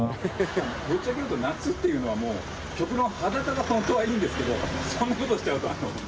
ぶっちゃけ言うと夏っていうのはもう極論裸が本当はいいんですけどそんな事しちゃうと捕まっちゃうんで。